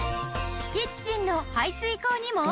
キッチンの排水口にも。